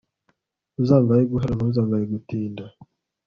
uzangaye guhera ntuzangaye gutinda